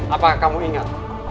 apakah kamu ingat